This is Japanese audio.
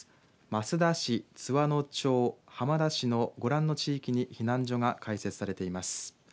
益田市津和野町、浜田市のご覧の地域に避難所が開設されています。